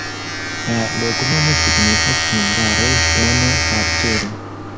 La loknomo signifas hungare ŝtono-parcelo.